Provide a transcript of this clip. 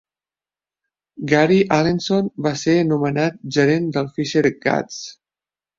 Gary Allenson va ser nomenat gerent dels Fisher Gats.